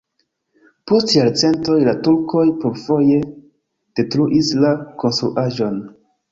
Post jarcentoj la turkoj plurfoje detruis la konstruaĵon.